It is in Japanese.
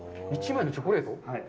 １枚のチョコレート。